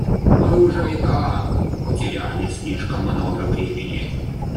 Мы уже и так потеряли слишком много времени.